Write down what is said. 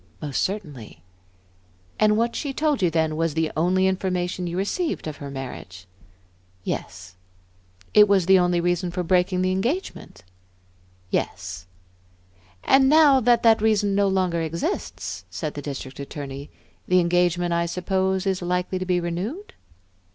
"Most certainly." "And what she told you then was the only information you received of her marriage?" "Yes." "It was the only reason for breaking the engagement?" "Yes." "And now that that reason no longer exists," said the District Attorney, "the engagement, I suppose, is likely to be renewed?"